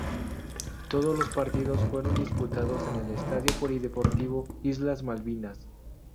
Todos los partidos fueron disputados en el Estadio Polideportivo Islas Malvinas.